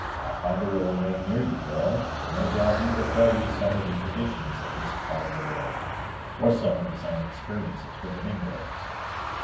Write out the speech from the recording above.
"Pathfinder will remain near you, girl, and no doubt he will tell you some of the traditions of this part of the world, or some of his own experiences with the Mingos."